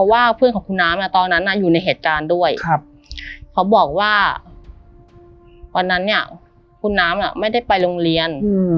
วันนั้นเนี่ยคุณน้ำอะไม่ได้ไปโรงเรียน